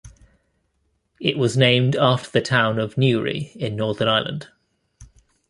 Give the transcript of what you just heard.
It was named after the town of Newry in Northern Ireland.